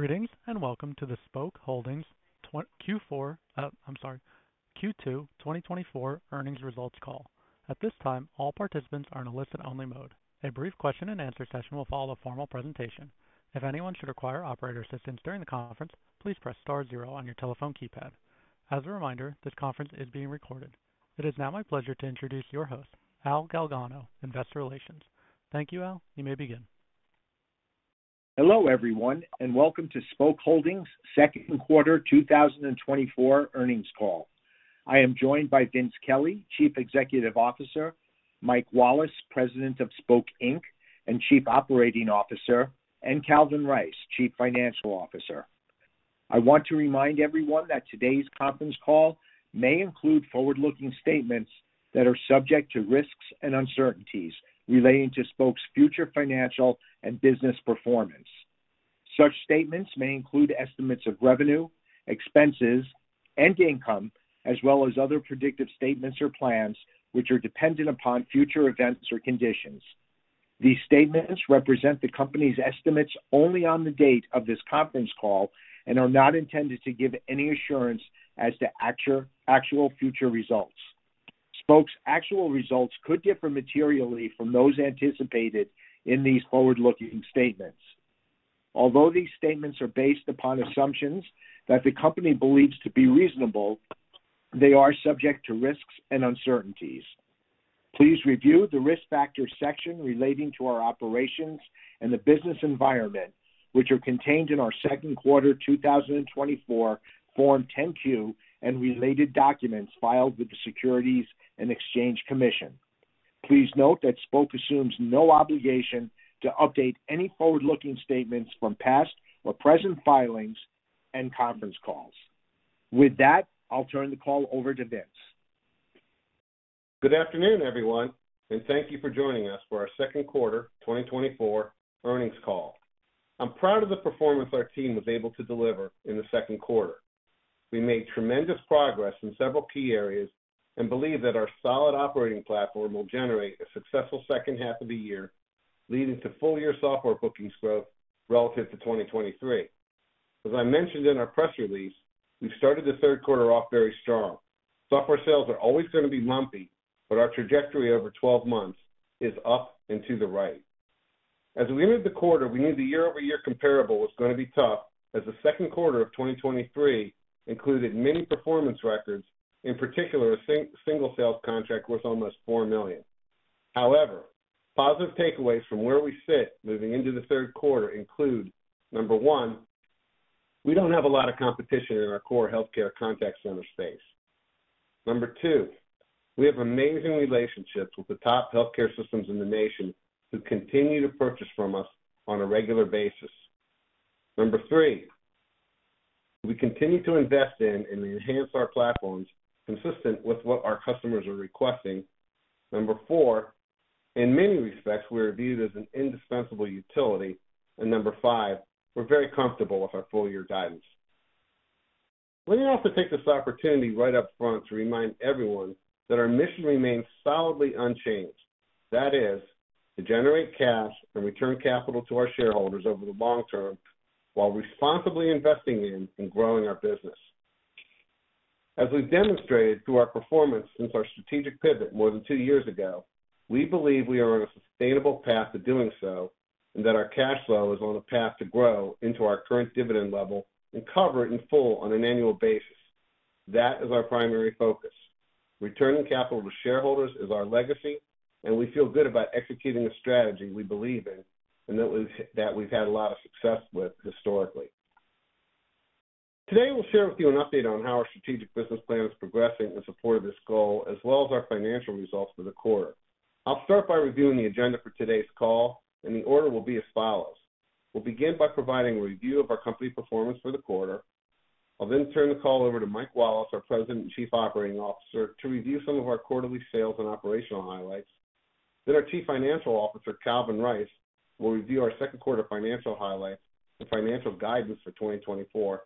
Greetings, and welcome to the Spok Holdings Q2 2024 earnings results call. At this time, all participants are in a listen-only mode. A brief question and answer session will follow the formal presentation. If anyone should require operator assistance during the conference, please press star zero on your telephone keypad. As a reminder, this conference is being recorded. It is now my pleasure to introduce your host, Al Galgano, Investor Relations. Thank you, Al. You may begin. Hello, everyone, and welcome to Spok Holdings' second quarter 2024 earnings call. I am joined by Vince Kelly, Chief Executive Officer, Mike Wallace, President of Spok Inc. and Chief Operating Officer, and Calvin Rice, Chief Financial Officer. I want to remind everyone that today's conference call may include forward-looking statements that are subject to risks and uncertainties relating to Spok's future financial and business performance. Such statements may include estimates of revenue, expenses, and income, as well as other predictive statements or plans, which are dependent upon future events or conditions. These statements represent the company's estimates only on the date of this conference call and are not intended to give any assurance as to actual future results. Spok's actual results could differ materially from those anticipated in these forward-looking statements. Although these statements are based upon assumptions that the company believes to be reasonable, they are subject to risks and uncertainties. Please review the Risk Factors section relating to our operations and the business environment, which are contained in our second quarter 2024 Form 10-Q and related documents filed with the Securities and Exchange Commission. Please note that Spok assumes no obligation to update any forward-looking statements from past or present filings and conference calls. With that, I'll turn the call over to Vince. Good afternoon, everyone, and thank you for joining us for our second quarter 2024 earnings call. I'm proud of the performance our team was able to deliver in the second quarter. We made tremendous progress in several key areas and believe that our solid operating platform will generate a successful second half of the year, leading to full-year software bookings growth relative to 2023. As I mentioned in our press release, we've started the third quarter off very strong. Software sales are always gonna be lumpy, but our trajectory over 12 months is up and to the right. As we ended the quarter, we knew the year-over-year comparable was gonna be tough, as the second quarter of 2023 included many performance records, in particular, a single sales contract worth almost $4 million. However, positive takeaways from where we sit moving into the third quarter include, number one, we don't have a lot of competition in our core healthcare contact center space. Number two, we have amazing relationships with the top healthcare systems in the nation, who continue to purchase from us on a regular basis. Number three, we continue to invest in and enhance our platforms, consistent with what our customers are requesting. Number four, in many respects, we're viewed as an indispensable utility. And number five, we're very comfortable with our full-year guidance. Let me also take this opportunity right up front to remind everyone that our mission remains solidly unchanged. That is, to generate cash and return capital to our shareholders over the long term, while responsibly investing in and growing our business. As we've demonstrated through our performance since our strategic pivot more than two years ago, we believe we are on a sustainable path to doing so and that our cash flow is on a path to grow into our current dividend level and cover it in full on an annual basis. That is our primary focus. Returning capital to shareholders is our legacy, and we feel good about executing a strategy we believe in, and that we've had a lot of success with historically. Today, we'll share with you an update on how our strategic business plan is progressing in support of this goal, as well as our financial results for the quarter. I'll start by reviewing the agenda for today's call, and the order will be as follows: We'll begin by providing a review of our company performance for the quarter. I'll then turn the call over to Mike Wallace, our President and Chief Operating Officer, to review some of our quarterly sales and operational highlights. Then our Chief Financial Officer, Calvin Rice, will review our second quarter financial highlights and financial guidance for 2024.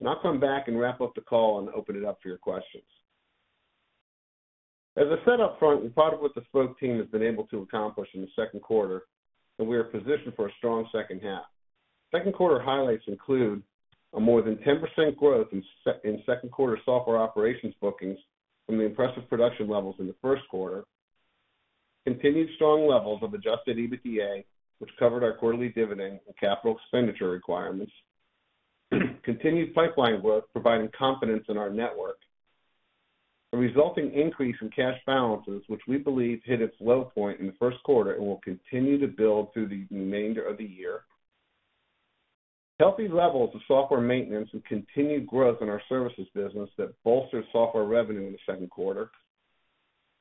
Then I'll come back and wrap up the call and open it up for your questions. As I said up front, and part of what the Spok team has been able to accomplish in the second quarter, and we are positioned for a strong second half. Second quarter highlights include a more than 10% growth in second quarter software operations bookings from the impressive production levels in the first quarter. Continued strong levels of adjusted EBITDA, which covered our quarterly dividend and capital expenditure requirements. Continued pipeline work, providing confidence in our network. A resulting increase in cash balances, which we believe hit its low point in the first quarter and will continue to build through the remainder of the year. Healthy levels of software maintenance and continued growth in our services business that bolsters software revenue in the second quarter.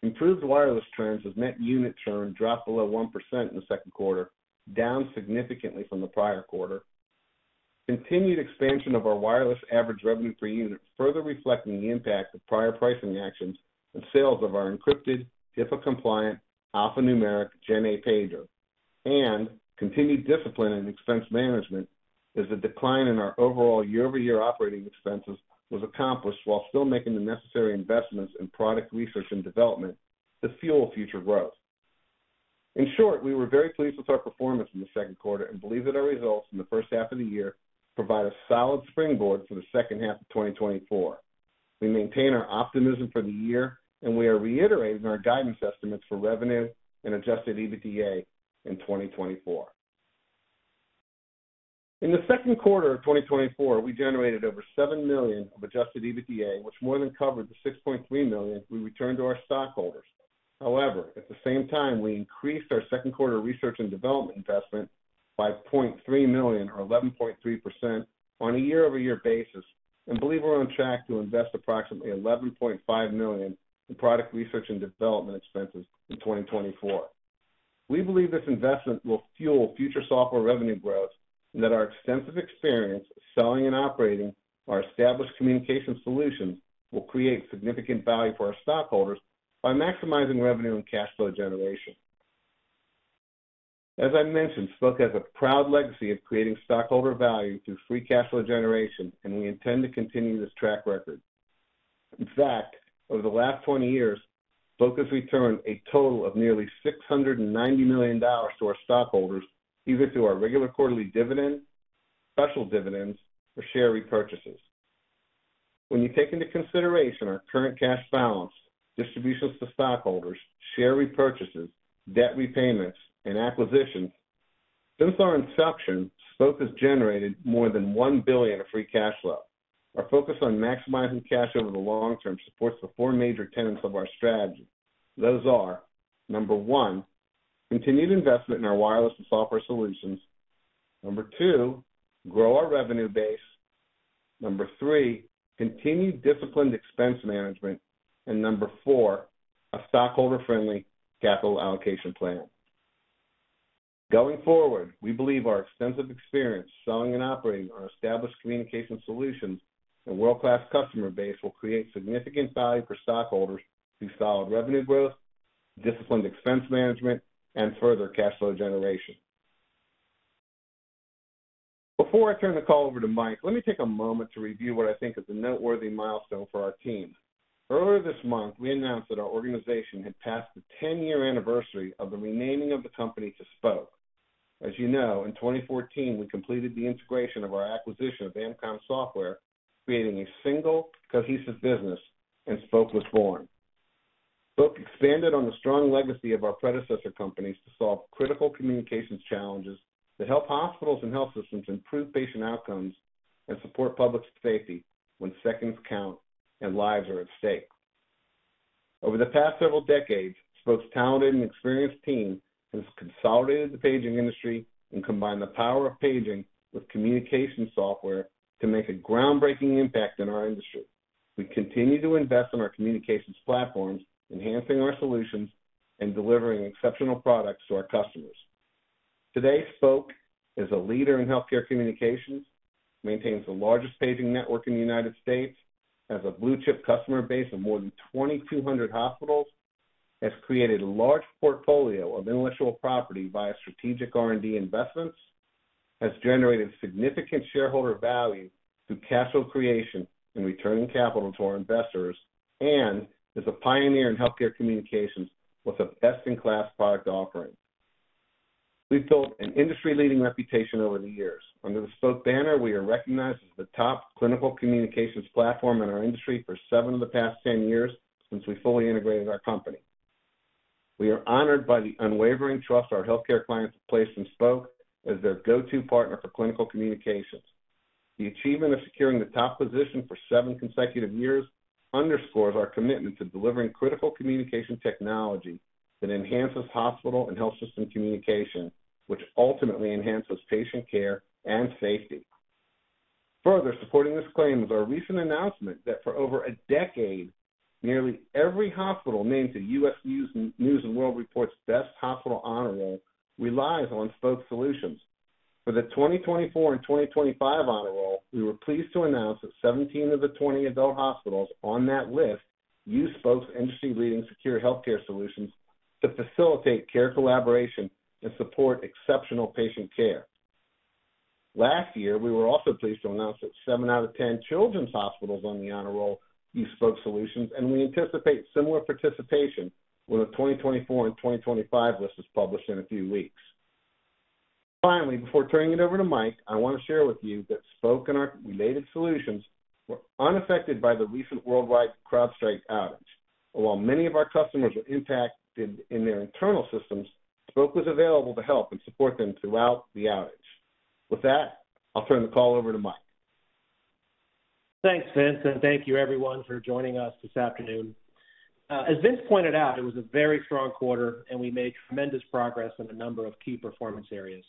Improved wireless trends as net unit churn dropped below 1% in the second quarter, down significantly from the prior quarter. Continued expansion of our wireless average revenue per unit, further reflecting the impact of prior pricing actions and sales of our encrypted, HIPAA-compliant, alphanumeric GenA pager. And continued discipline in expense management, as the decline in our overall year-over-year operating expenses was accomplished while still making the necessary investments in product research and development to fuel future growth... In short, we were very pleased with our performance in the second quarter and believe that our results in the first half of the year provide a solid springboard for the second half of 2024. We maintain our optimism for the year, and we are reiterating our guidance estimates for revenue and Adjusted EBITDA in 2024. In the second quarter of 2024, we generated over $7 million of Adjusted EBITDA, which more than covered the $6.3 million we returned to our stockholders. However, at the same time, we increased our second quarter research and development investment by $0.3 million or 11.3% on a year-over-year basis, and believe we're on track to invest approximately $11.5 million in product research and development expenses in 2024. We believe this investment will fuel future software revenue growth and that our extensive experience selling and operating our established communication solutions will create significant value for our stockholders by maximizing revenue and cash flow generation. As I mentioned, Spok has a proud legacy of creating stockholder value through free cash flow generation, and we intend to continue this track record. In fact, over the last 20 years, Spok has returned a total of nearly $690 million to our stockholders, either through our regular quarterly dividend, special dividends, or share repurchases. When you take into consideration our current cash balance, distributions to stockholders, share repurchases, debt repayments, and acquisitions, since our inception, Spok has generated more than $1 billion of free cash flow. Our focus on maximizing cash over the long term supports the four major tenets of our strategy. Those are, number one, continued investment in our wireless and software solutions. Number two, grow our revenue base. Number three, continued disciplined expense management. Number four, a stockholder-friendly capital allocation plan. Going forward, we believe our extensive experience selling and operating our established communication solutions and world-class customer base will create significant value for stockholders through solid revenue growth, disciplined expense management, and further cash flow generation. Before I turn the call over to Mike, let me take a moment to review what I think is a noteworthy milestone for our team. Earlier this month, we announced that our organization had passed the 10-year anniversary of the renaming of the company to Spok. As you know, in 2014, we completed the integration of our acquisition of Amcom Software, creating a single, cohesive business, and Spok was born. Spok expanded on the strong legacy of our predecessor companies to solve critical communications challenges that help hospitals and health systems improve patient outcomes and support public safety when seconds count and lives are at stake. Over the past several decades, Spok's talented and experienced team has consolidated the paging industry and combined the power of paging with communication software to make a groundbreaking impact in our industry. We continue to invest in our communications platforms, enhancing our solutions and delivering exceptional products to our customers. Today, Spok is a leader in healthcare communications, maintains the largest paging network in the United States, has a blue-chip customer base of more than 2,200 hospitals, has created a large portfolio of intellectual property via strategic R&D investments, has generated significant shareholder value through cash flow creation and returning capital to our investors, and is a pioneer in healthcare communications with a best-in-class product offering. We've built an industry-leading reputation over the years. Under the Spok banner, we are recognized as the top clinical communications platform in our industry for seven of the past 10 years since we fully integrated our company. We are honored by the unwavering trust our healthcare clients have placed in Spok as their go-to partner for clinical communications. The achievement of securing the top position for seven consecutive years underscores our commitment to delivering critical communication technology that enhances hospital and health system communication, which ultimately enhances patient care and safety. Further supporting this claim is our recent announcement that for over a decade, nearly every hospital named to U.S. News & World Report's Best Hospitals Honor Roll relies on Spok solutions. For the 2024 and 2025 Honor Roll, we were pleased to announce that 17 of the 20 adult hospitals on that list use Spok's industry-leading secure healthcare solutions to facilitate care collaboration and support exceptional patient care. Last year, we were also pleased to announce that 7 out of 10 children's hospitals on the Honor Roll use Spok solutions, and we anticipate similar participation when the 2024 and 2025 list is published in a few weeks. Finally, before turning it over to Mike, I want to share with you that Spok and our related solutions were unaffected by the recent worldwide CrowdStrike outage. While many of our customers were impacted in their internal systems, Spok was available to help and support them throughout the outage. With that, I'll turn the call over to Mike. Thanks, Vince, and thank you everyone for joining us this afternoon. As Vince pointed out, it was a very strong quarter, and we made tremendous progress in a number of key performance areas.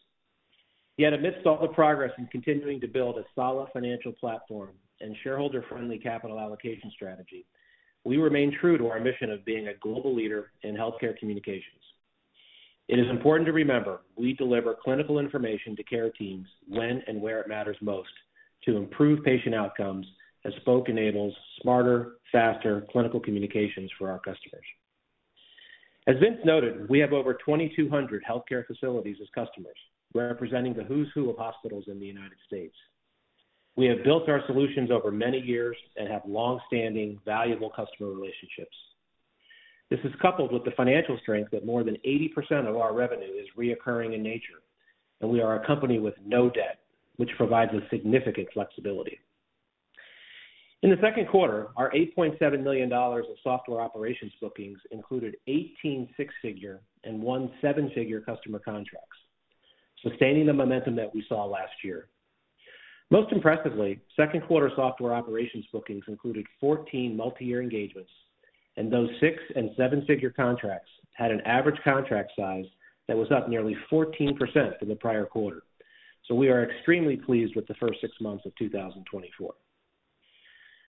Yet amidst all the progress in continuing to build a solid financial platform and shareholder-friendly capital allocation strategy, we remain true to our mission of being a global leader in healthcare communications. It is important to remember, we deliver clinical information to care teams when and where it matters most to improve patient outcomes, as Spok enables smarter, faster clinical communications for our customers. As Vince noted, we have over 2,200 healthcare facilities as customers, representing the who's who of hospitals in the United States. We have built our solutions over many years and have long-standing, valuable customer relationships. This is coupled with the financial strength that more than 80% of our revenue is recurring in nature, and we are a company with no debt, which provides us significant flexibility. In the second quarter, our $8.7 million of software operations bookings included 18 six-figure and one seven-figure customer contracts, sustaining the momentum that we saw last year. Most impressively, second quarter software operations bookings included 14 multi-year engagements, and those six- and seven-figure contracts had an average contract size that was up nearly 14% from the prior quarter. So we are extremely pleased with the first six months of 2024.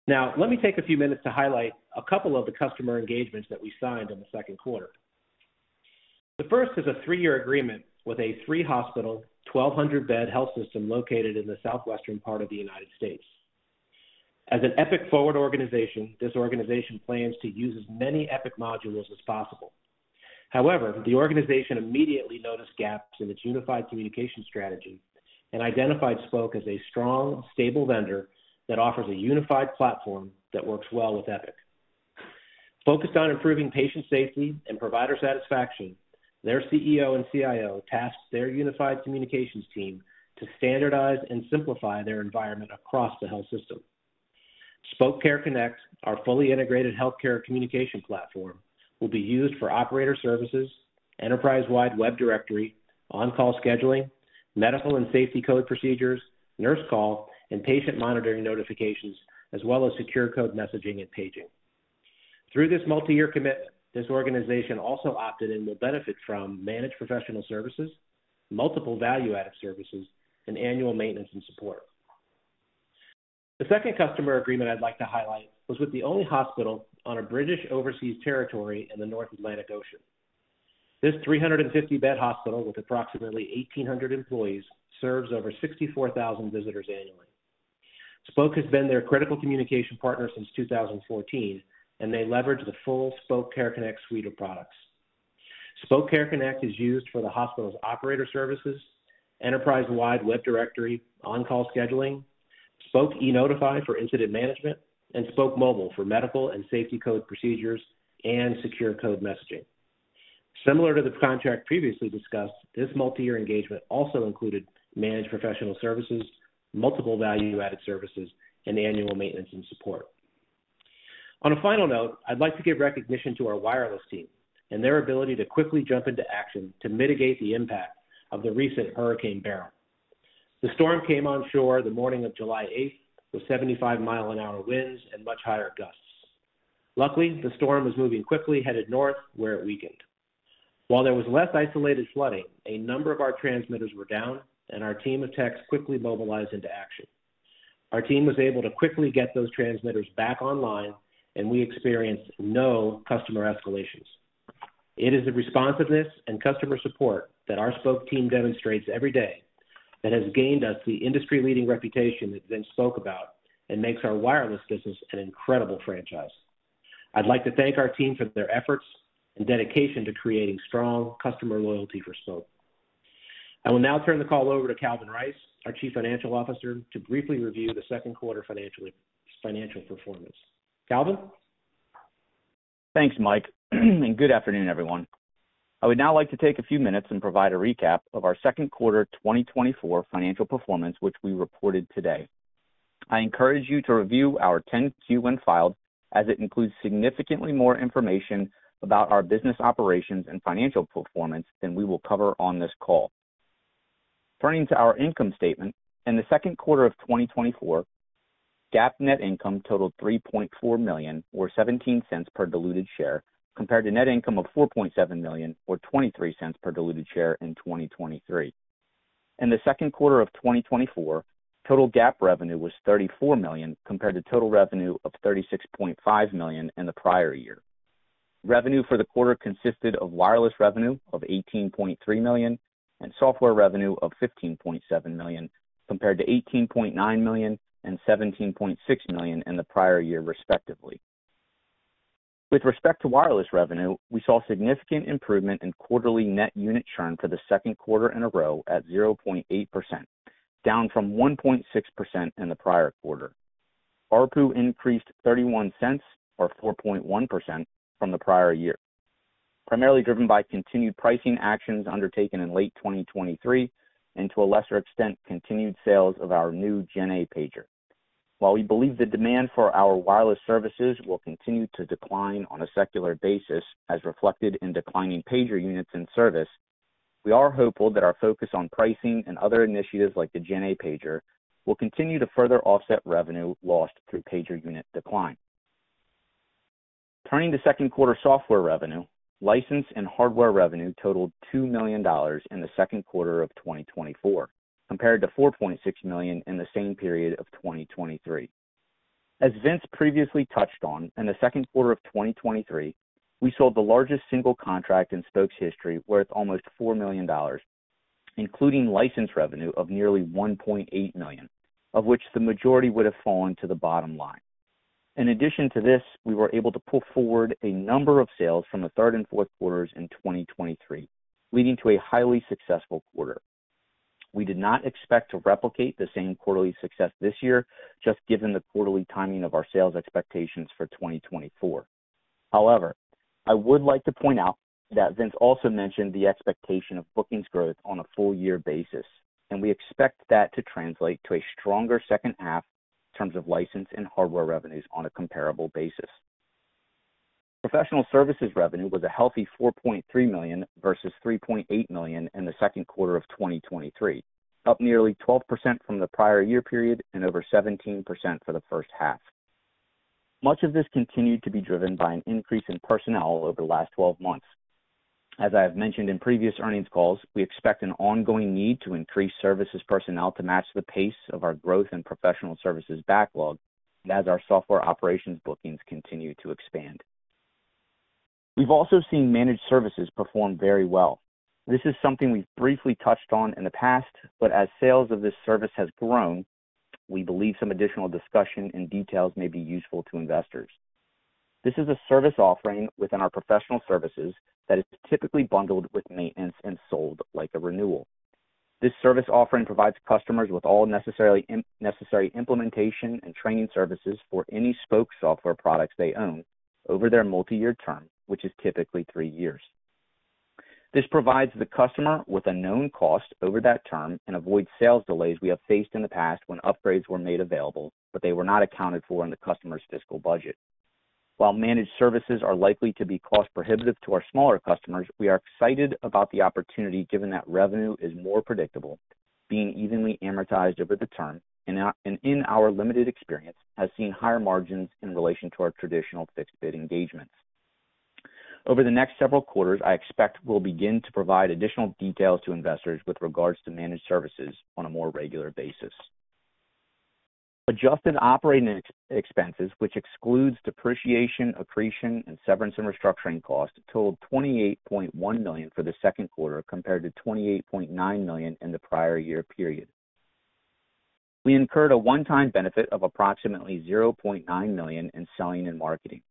Now, let me take a few minutes to highlight a couple of the customer engagements that we signed in the second quarter. The first is a three-year agreement with a three-hospital, 1,200-bed health system located in the Southwestern United States. As an Epic forward organization, this organization plans to use as many Epic modules as possible. However, the organization immediately noticed gaps in its unified communication strategy and identified Spok as a strong, stable vendor that offers a unified platform that works well with Epic. Focused on improving patient safety and provider satisfaction, their CEO and CIO tasked their unified communications team to standardize and simplify their environment across the health system. Spok Care Connect, our fully integrated healthcare communication platform, will be used for operator services, enterprise-wide web directory, on-call scheduling, medical and safety code procedures, nurse call, and patient monitoring notifications, as well as secure code messaging and paging. Through this multi-year commitment, this organization also opted in will benefit from managed professional services, multiple value-added services, and annual maintenance and support. The second customer agreement I'd like to highlight was with the only hospital on a British overseas territory in the North Atlantic Ocean. This 350-bed hospital, with approximately 1,800 employees, serves over 64,000 visitors annually. Spok has been their critical communication partner since 2014, and they leverage the full Spok Care Connect suite of products. Spok Care Connect is used for the hospital's operator services, enterprise-wide web directory, on-call scheduling, Spok e.Notify for incident management, and Spok Mobile for medical and safety code procedures and secure code messaging. Similar to the contract previously discussed, this multi-year engagement also included managed professional services, multiple value-added services, and annual maintenance and support. On a final note, I'd like to give recognition to our wireless team and their ability to quickly jump into action to mitigate the impact of the recent Hurricane Beryl. The storm came onshore the morning of July eighth, with 75-mile-an-hour winds and much higher gusts. Luckily, the storm was moving quickly, headed north, where it weakened. While there was less isolated flooding, a number of our transmitters were down, and our team of techs quickly mobilized into action. Our team was able to quickly get those transmitters back online, and we experienced no customer escalations. It is the responsiveness and customer support that our Spok team demonstrates every day that has gained us the industry-leading reputation that Vince spoke about and makes our wireless business an incredible franchise. I'd like to thank our team for their efforts and dedication to creating strong customer loyalty for Spok. I will now turn the call over to Calvin Rice, our Chief Financial Officer, to briefly review the second quarter financial performance. Calvin? Thanks, Mike, and good afternoon, everyone. I would now like to take a few minutes and provide a recap of our second quarter 2024 financial performance, which we reported today. I encourage you to review our 10-Q file, as it includes significantly more information about our business operations and financial performance than we will cover on this call. Turning to our income statement. In the second quarter of 2024, GAAP net income totaled $3.4 million, or $0.17 per diluted share, compared to net income of $4.7 million, or $0.23 per diluted share in 2023. In the second quarter of 2024, total GAAP revenue was $34 million, compared to total revenue of $36.5 million in the prior year. Revenue for the quarter consisted of wireless revenue of $18.3 million and software revenue of $15.7 million, compared to $18.9 million and $17.6 million in the prior year, respectively. With respect to wireless revenue, we saw significant improvement in quarterly net unit churn for the second quarter in a row at 0.8%, down from 1.6% in the prior quarter. ARPU increased $0.31, or 4.1%, from the prior year, primarily driven by continued pricing actions undertaken in late 2023 and, to a lesser extent, continued sales of our new GenA pager. While we believe the demand for our wireless services will continue to decline on a secular basis, as reflected in declining pager units in service, we are hopeful that our focus on pricing and other initiatives, like the GenA pager, will continue to further offset revenue lost through pager unit decline. Turning to second quarter software revenue, license and hardware revenue totaled $2 million in the second quarter of 2024, compared to $4.6 million in the same period of 2023. As Vince previously touched on, in the second quarter of 2023, we sold the largest single contract in Spok's history, worth almost $4 million, including license revenue of nearly $1.8 million, of which the majority would have fallen to the bottom line. In addition to this, we were able to pull forward a number of sales from the third and fourth quarters in 2023, leading to a highly successful quarter. We did not expect to replicate the same quarterly success this year, just given the quarterly timing of our sales expectations for 2024. However, I would like to point out that Vince also mentioned the expectation of bookings growth on a full year basis, and we expect that to translate to a stronger second half in terms of license and hardware revenues on a comparable basis. Professional services revenue was a healthy $4.3 million versus $3.8 million in the second quarter of 2023, up nearly 12% from the prior year period and over 17% for the first half. Much of this continued to be driven by an increase in personnel over the last 12 months. As I have mentioned in previous earnings calls, we expect an ongoing need to increase services personnel to match the pace of our growth and professional services backlog as our software operations bookings continue to expand. We've also seen managed services perform very well. This is something we've briefly touched on in the past, but as sales of this service has grown, we believe some additional discussion and details may be useful to investors. This is a service offering within our professional services that is typically bundled with maintenance and sold like a renewal. This service offering provides customers with all necessarily necessary implementation and training services for any Spok software products they own over their multi-year term, which is typically three years. This provides the customer with a known cost over that term and avoids sales delays we have faced in the past when upgrades were made available, but they were not accounted for in the customer's fiscal budget. While managed services are likely to be cost prohibitive to our smaller customers, we are excited about the opportunity, given that revenue is more predictable, being evenly amortized over the term and, and in our limited experience, has seen higher margins in relation to our traditional fixed-bid engagements. Over the next several quarters, I expect we'll begin to provide additional details to investors with regards to managed services on a more regular basis. Adjusted operating expenses, which excludes depreciation, accretion, and severance and restructuring costs, totaled $28.1 million for the second quarter, compared to $28.9 million in the prior year period. We incurred a one-time benefit of approximately $0.9 million in selling and marketing.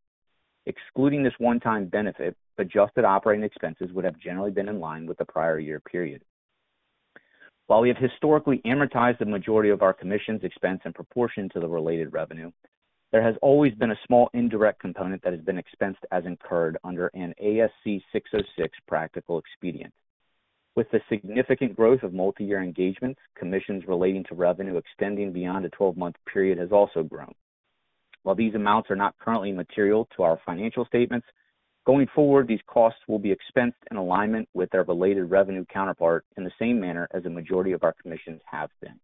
Excluding this one-time benefit, adjusted operating expenses would have generally been in line with the prior year period. While we have historically amortized the majority of our commissions expense in proportion to the related revenue, there has always been a small indirect component that has been expensed as incurred under an ASC 606 practical expedient. With the significant growth of multi-year engagements, commissions relating to revenue extending beyond a 12-month period has also grown. While these amounts are not currently material to our financial statements, going forward, these costs will be expensed in alignment with their related revenue counterpart in the same manner as the majority of our commissions have been.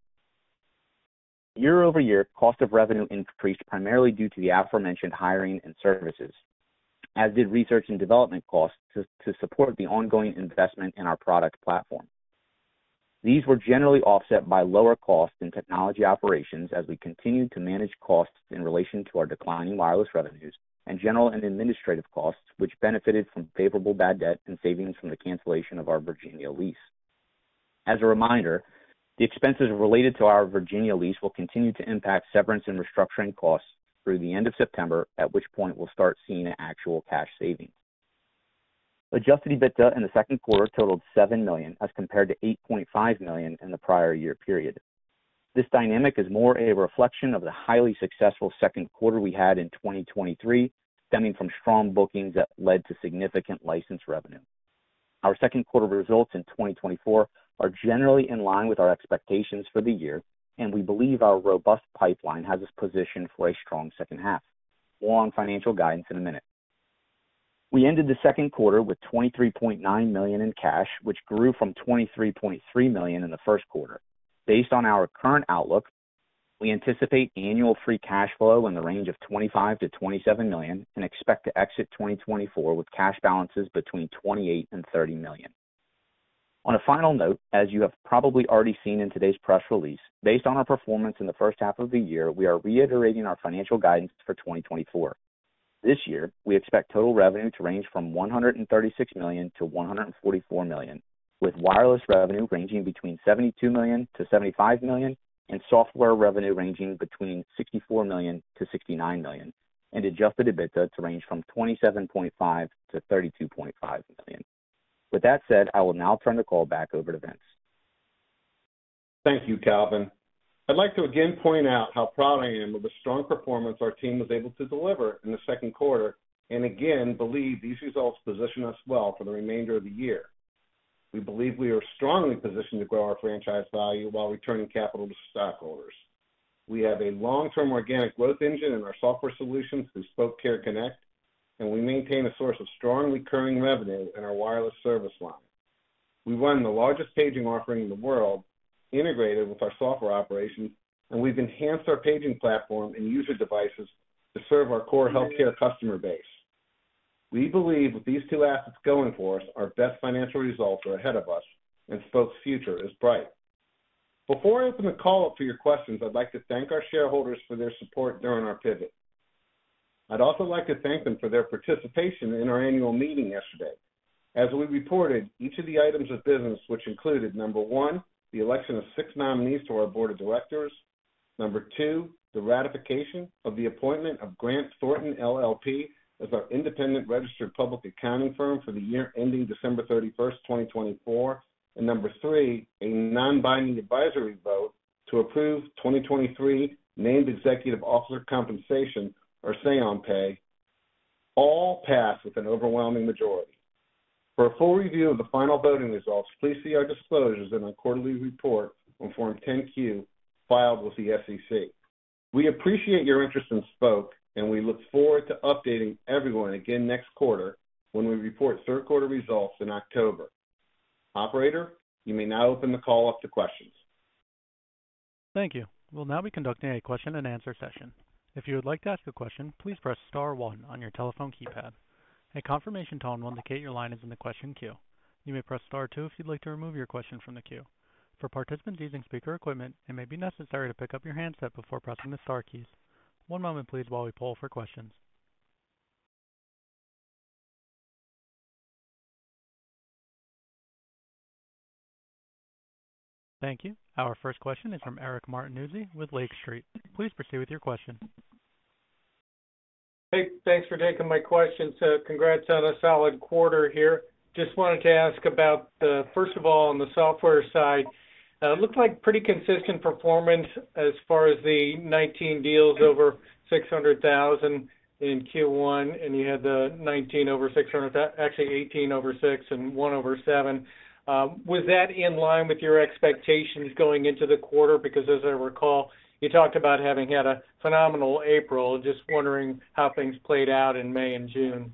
Year-over-year, cost of revenue increased primarily due to the aforementioned hiring and services, as did research and development costs to support the ongoing investment in our product platform. These were generally offset by lower costs in technology operations as we continued to manage costs in relation to our declining wireless revenues and general and administrative costs, which benefited from favorable bad debt and savings from the cancellation of our Virginia lease. As a reminder, the expenses related to our Virginia lease will continue to impact severance and restructuring costs through the end of September, at which point we'll start seeing an actual cash savings. Adjusted EBITDA in the second quarter totaled $7 million, as compared to $8.5 million in the prior year period. This dynamic is more a reflection of the highly successful second quarter we had in 2023, stemming from strong bookings that led to significant license revenue. Our second quarter results in 2024 are generally in line with our expectations for the year, and we believe our robust pipeline has us positioned for a strong second half. More on financial guidance in a minute. We ended the second quarter with $23.9 million in cash, which grew from $23.3 million in the first quarter. Based on our current outlook, we anticipate annual free cash flow in the range of $25 million-$27 million and expect to exit 2024 with cash balances between $28 million and $30 million. On a final note, as you have probably already seen in today's press release, based on our performance in the first half of the year, we are reiterating our financial guidance for 2024. This year, we expect total revenue to range from $136 million-$144 million, with wireless revenue ranging between $72 million-$75 million and software revenue ranging between $64 million-$69 million, and Adjusted EBITDA to range from $27.5 million-$32.5 million. With that said, I will now turn the call back over to Vince. Thank you, Calvin. I'd like to again point out how proud I am of the strong performance our team was able to deliver in the second quarter, and again, believe these results position us well for the remainder of the year. We believe we are strongly positioned to grow our franchise value while returning capital to stockholders. We have a long-term organic growth engine in our software solutions through Spok Care Connect, and we maintain a source of strong recurring revenue in our wireless service line. We run the largest paging offering in the world, integrated with our software operations, and we've enhanced our paging platform and user devices to serve our core healthcare customer base. We believe with these two assets going for us, our best financial results are ahead of us, and Spok's future is bright. Before I open the call up to your questions, I'd like to thank our shareholders for their support during our pivot. I'd also like to thank them for their participation in our annual meeting yesterday.... As we reported, each of the items of business, which included, number one, the election of six nominees to our board of directors. Number two, the ratification of the appointment of Grant Thornton LLP as our independent registered public accounting firm for the year ending December 31st, 2024. And number three, a non-binding advisory vote to approve 2023 named executive officer compensation, or say on pay, all passed with an overwhelming majority. For a full review of the final voting results, please see our disclosures in our quarterly report on Form 10-Q, filed with the SEC. We appreciate your interest in Spok, and we look forward to updating everyone again next quarter when we report third quarter results in October. Operator, you may now open the call up to questions. Thank you. We'll now be conducting a question-and-answer session. If you would like to ask a question, please press star one on your telephone keypad. A confirmation tone will indicate your line is in the question queue. You may press star two if you'd like to remove your question from the queue. For participants using speaker equipment, it may be necessary to pick up your handset before pressing the star keys. One moment please while we poll for questions. Thank you. Our first question is from Eric Martinuzzi with Lake Street. Please proceed with your question. Hey, thanks for taking my question. So congrats on a solid quarter here. Just wanted to ask about the first of all, on the software side, it looked like pretty consistent performance as far as the 19 deals over $600,000 in Q1, and you had the 19 over $600,000... Actually, 18 over $600,000 and one over $700,000. Was that in line with your expectations going into the quarter? Because as I recall, you talked about having had a phenomenal April. Just wondering how things played out in May and June.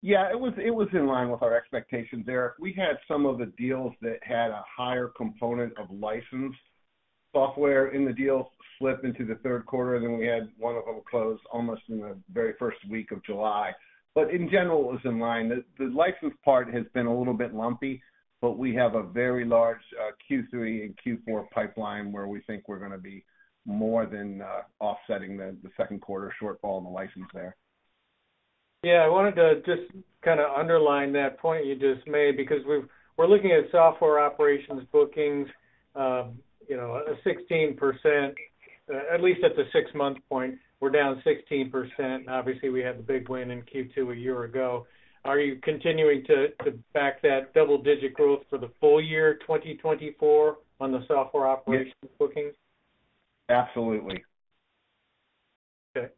Yeah, it was in line with our expectations, Eric. We had some of the deals that had a higher component of licensed software in the deal slip into the third quarter, and then we had one of them close almost in the very first week of July. But in general, it was in line. The license part has been a little bit lumpy, but we have a very large Q3 and Q4 pipeline where we think we're gonna be more than offsetting the second quarter shortfall in the license there. Yeah, I wanted to just kind of underline that point you just made, because we're looking at Software operations bookings, you know, 16%, at least at the six-month point, we're down 16%, and obviously, we had the big win in Q2 a year ago. Are you continuing to back that double-digit growth for the full year, 2024, on the Software operations bookings? Absolutely. Okay.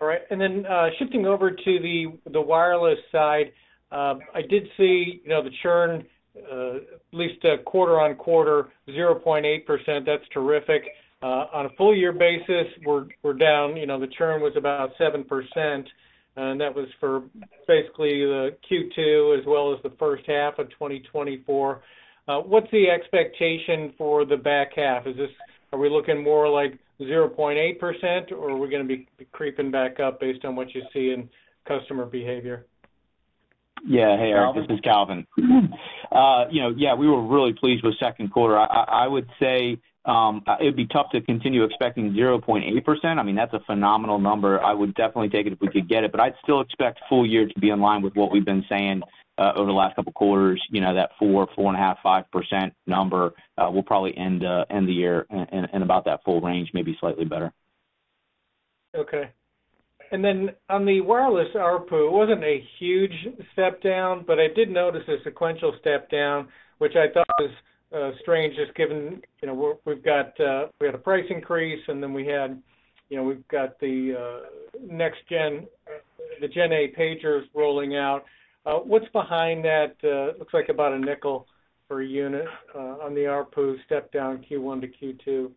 All right, and then shifting over to the wireless side, I did see, you know, the churn, at least a quarter-over-quarter, 0.8%. That's terrific. On a full year basis, we're down, you know, the churn was about 7%, and that was for basically the Q2 as well as the first half of 2024. What's the expectation for the back half? Is this... Are we looking more like 0.8%, or are we gonna be creeping back up based on what you see in customer behavior? Yeah. Hey, Eric, this is Calvin. You know, yeah, we were really pleased with second quarter. I would say, it'd be tough to continue expecting 0.8%. I mean, that's a phenomenal number. I would definitely take it if we could get it, but I'd still expect full year to be in line with what we've been saying over the last couple of quarters. You know, that four, 4.5, 5% number will probably end the year in about that full range, maybe slightly better. Okay. And then on the wireless ARPU, it wasn't a huge step down, but I did notice a sequential step down, which I thought was strange, just given, you know, we're, we've got, we had a price increase, and then we had, you know, we've got the next gen, the GenA pagers rolling out. What's behind that? Looks like about $0.05 per unit on the ARPU step down Q1-Q2.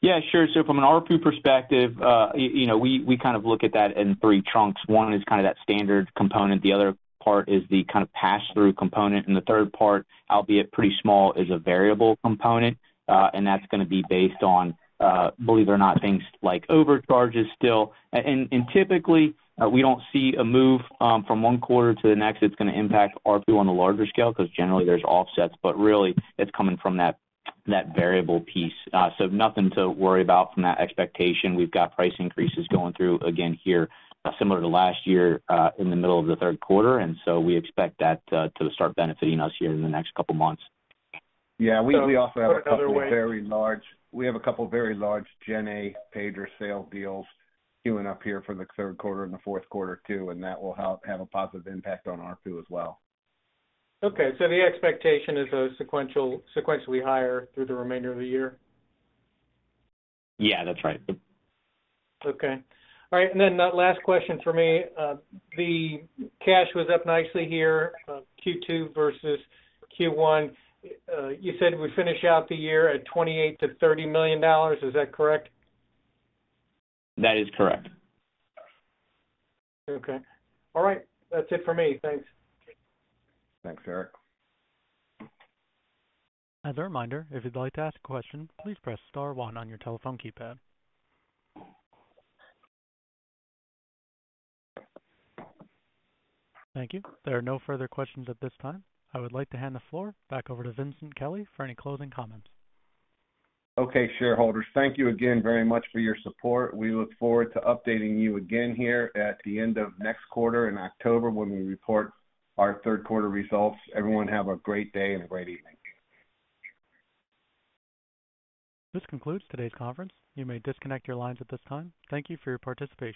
Yeah, sure. So from an ARPU perspective, you know, we kind of look at that in three chunks. One is kind of that standard component, the other part is the kind of pass-through component, and the third part, albeit pretty small, is a variable component, and that's gonna be based on, believe it or not, things like overages still. And typically, we don't see a move, from one quarter to the next that's gonna impact ARPU on the larger scale, because generally there's offsets, but really, it's coming from that variable piece. So nothing to worry about from that expectation. We've got price increases going through again here, similar to last year, in the middle of the third quarter, and so we expect that, to start benefiting us here in the next couple of months. Yeah, we also have a couple of very large GenA pager sale deals queuing up here for the third quarter and the fourth quarter, too, and that will help have a positive impact on ARPU as well. Okay, so the expectation is a sequential, sequentially higher through the remainder of the year? Yeah, that's right. Okay. All right, and then the last question for me. The cash was up nicely here, Q2 versus Q1. You said we finish out the year at $28 million-$30 million. Is that correct? That is correct. Okay. All right. That's it for me. Thanks. Thanks, Eric. As a reminder, if you'd like to ask a question, please press star one on your telephone keypad. Thank you. There are no further questions at this time. I would like to hand the floor back over to Vincent Kelly for any closing comments. Okay, shareholders, thank you again very much for your support. We look forward to updating you again here at the end of next quarter in October, when we report our third quarter results. Everyone, have a great day and a great evening. This concludes today's conference. You may disconnect your lines at this time. Thank you for your participation.